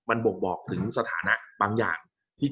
กับการสตรีมเมอร์หรือการทำอะไรอย่างเงี้ย